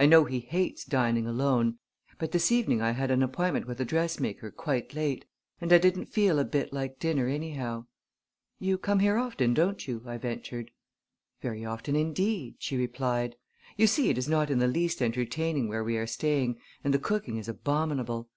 "I know he hates dining alone; but this evening I had an appointment with a dressmaker quite late and I didn't feel a bit like dinner anyhow." "You come here often, don't you?" I ventured. "Very often indeed," she replied. "You see it is not in the least entertaining where we are staying and the cooking is abominable.